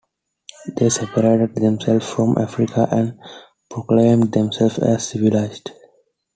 They separated themselves from Africa and proclaimed themselves as civilized.